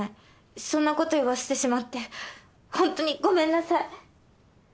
そんなこと言わせてしまってホントにごめんなさい。